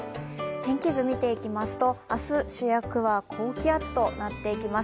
天気図、見ていきますと、明日、主役は高気圧となっていきます。